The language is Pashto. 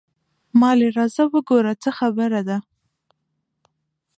مالې راځه وګوره څه خبره ده.